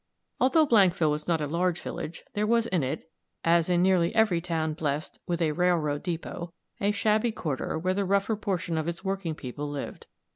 Although Blankville was not a large village, there was in it, as in nearly every town blessed with a railroad depot, a shabby quarter where the rougher portion of its working people lived.